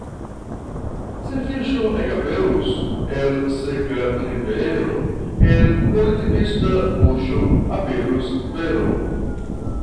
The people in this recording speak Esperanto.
Se fiŝo ekaperus el seka rivero, el politikista buŝo aperus vero.